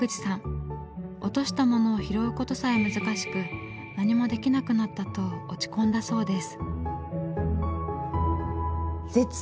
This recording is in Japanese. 落とした物を拾うことさえ難しく「何もできなくなった」と落ち込んだそうです。